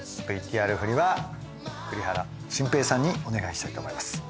ＶＴＲ振りは栗原心平さんにお願いしたいと思います。